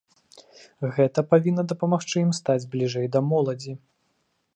Гэта павінна дапамагчы ім стаць бліжэй да моладзі.